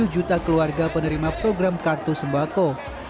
satu juta keluarga penerima program kartu sembako